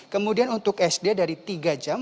kemudian untuk sd dari tiga jam